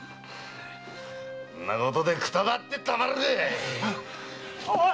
こんなことでくたばってたまるかい！